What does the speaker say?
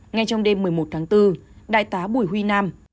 ngay trong đêm một mươi một tháng bốn đại tá bùi huy nam